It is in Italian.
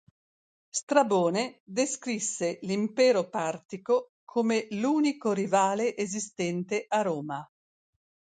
Strabone descrisse l'impero partico come l'unico rivale esistente a Roma.